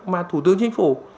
mà thủ tướng chính phủ